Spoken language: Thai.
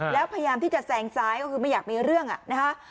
แล้วพยายามที่จะแซงซ้ายก็คือไม่อยากมีเรื่องอ่ะนะคะ